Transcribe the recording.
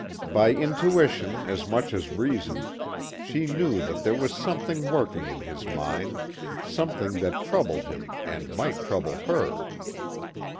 By intuition as much as reason, she knew that there was something working in his mind, something that troubled him and might trouble her.